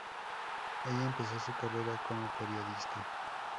Ella empezó su carrera como periodista.